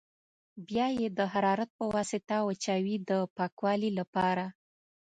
بیا یې د حرارت په واسطه وچوي د پاکوالي لپاره.